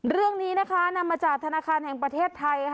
เรื่องนี้นำมาจากธนาคารแห่งประเทศไทย